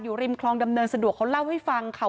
ริมคลองดำเนินสะดวกเขาเล่าให้ฟังค่ะ